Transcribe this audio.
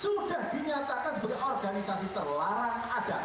sudah dinyatakan sebagai organisasi terlarang ada